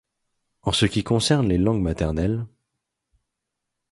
En ce qui concerne les langues maternelles.